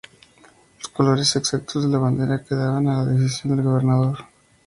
Los colores exactos de la bandera quedaban a la decisión del gobernador.